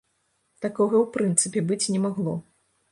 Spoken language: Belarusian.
Такога ў прынцыпе быць не магло.